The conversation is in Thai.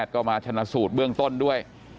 ก็มาชนะสูตรเบื้องต้นด้วย